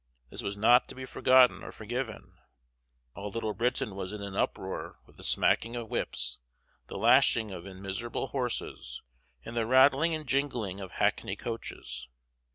This was not to be forgotten or forgiven. All Little Britain was in an uproar with the smacking of whips, the lashing of in miserable horses, and the rattling and jingling of hackney coaches.